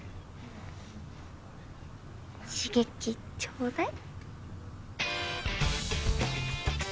刺激ちょうだい。